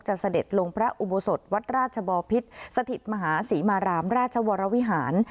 เสด็จลงพระอุโบสถวัดราชบอพิษสถิตมหาศรีมารามราชวรวิหาร